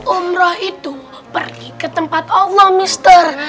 umroh itu pergi ke tempat allah mister